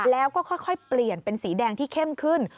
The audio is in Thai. แล้วก็ค่อยเปลี่ยนเป็นสีแดงที่เข้มขึ้น